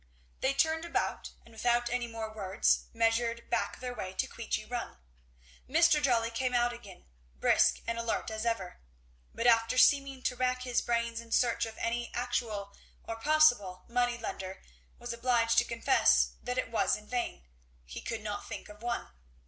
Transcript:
They turned about, and without any more words measured back their way to Queechy Run. Mr. Jolly came out again, brisk and alert as ever; but after seeming to rack his brains in search of any actual or possible money lender was obliged to confess that it was in vain; he could not think of one.